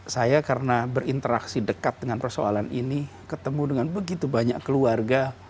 saya karena berinteraksi dekat dengan persoalan ini ketemu dengan begitu banyak keluarga